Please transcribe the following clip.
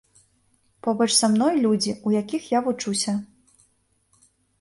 Побач са мной людзі, у якіх я вучуся.